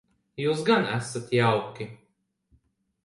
Jūs gan esat jauki.